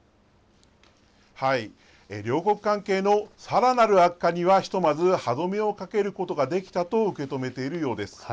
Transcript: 両国関係のさらなる悪化には、ひとまず歯止めをかけることができたと受け止めているようです。